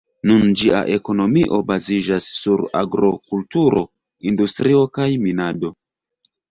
Nun ĝia ekonomio baziĝas sur agrokulturo, industrio kaj minado.